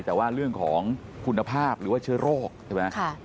แต่ว่าเรื่องของคุณภาพหรือว่าเชื้อโรคใช่ไหม